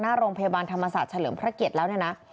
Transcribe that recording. หน้าโรงพยาบาลธรรมศาสตร์เฉลิมพระเกียรติแล้วเนี่ยนะ